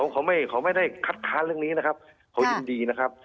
เขาไม่ได้คัดค้านเรื่องนี้นะครับเขายินดีนะครับ